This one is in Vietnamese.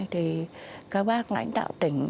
thì các bác lãnh đạo tỉnh